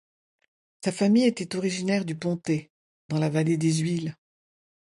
Sa famille était originaire du Pontet, dans la vallée des Huiles.